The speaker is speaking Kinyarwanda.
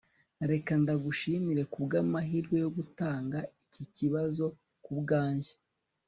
Reka ndagushimire kubwamahirwe yo gutanga iki kibazo kubwanjye